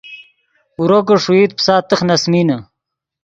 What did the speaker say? اورو کہ ݰوئیت پیسا تخ نے اَسۡمینے